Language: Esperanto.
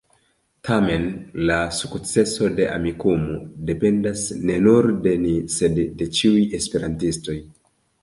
Tamen, la sukceso de Amikumu dependas ne nur de ni, sed de ĉiuj esperantistoj.